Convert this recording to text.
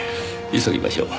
急ぎましょう。